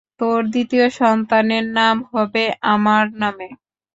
তোর দ্বিতীয় সন্তানের নাম হবে আমার নামে।